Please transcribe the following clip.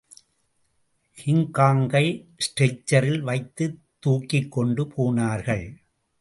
கிங்காங்கை ஸ்டச்சரில் வைத்துத் தூக்கிக் கொண்டு போனார்கள்.